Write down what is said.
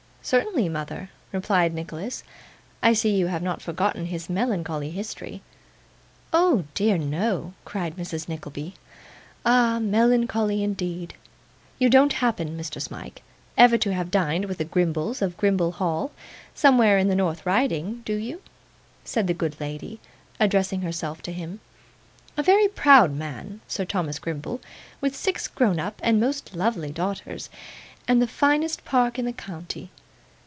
'Certainly, mother,' replied Nicholas. 'I see you have not forgotten his melancholy history.' 'O dear no,' cried Mrs. Nickleby. 'Ah! melancholy, indeed. You don't happen, Mr. Smike, ever to have dined with the Grimbles of Grimble Hall, somewhere in the North Riding, do you?' said the good lady, addressing herself to him. 'A very proud man, Sir Thomas Grimble, with six grown up and most lovely daughters, and the finest park in the county.